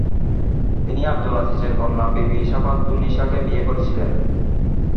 তিনি আবদুল আজিজের কন্যা বিবি শাফাতুন্নিসাকে বিয়ে করেছিলেন।